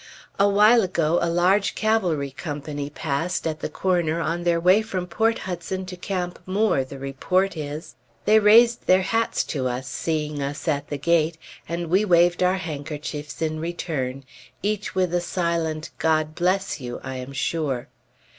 A while ago a large cavalry company passed, at the corner, on their way from Port Hudson to Camp Moore, the report is. They raised their hats to us, seeing us at the gate, and we waved our handkerchiefs in return, each with a silent "God bless you," I am sure.